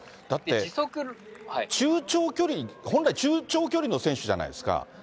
だって中長距離、本来、中長距離の選手じゃないですか。